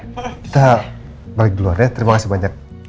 kita balik dulu ya terima kasih banyak ya